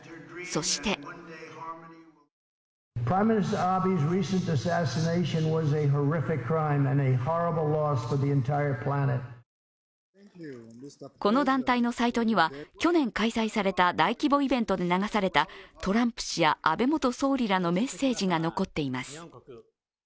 そしてこの団体のサイトには去年開催された大規模イベントで流されたトランプ氏や安倍元総理らのメッセージが残っています。